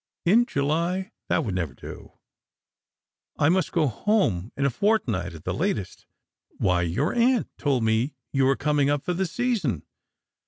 " In July; that would never do. I must go home in a fort night at the latest." •' Why, your aunt told me you were coming up for the season